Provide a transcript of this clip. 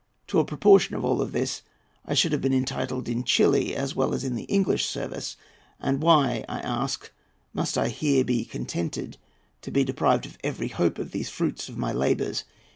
To a proportion of all this I should have been entitled in Chili, as well as in the English service; and why, I ask, must I here be contented to be deprived of every hope of these the fruits of my labours?